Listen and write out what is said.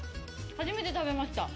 初めて食べました。